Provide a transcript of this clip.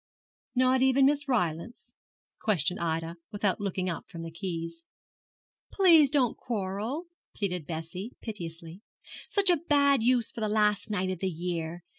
'Not even Miss Rylance?' questioned Ida, without looking up from the keys. 'Please don't quarrel,' pleaded Bessie, piteously; 'such a bad use for the last night of the year.